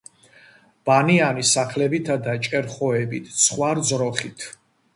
ბანიანი სახლებითა და ჭერხოებით. ცხვარ-ძროხით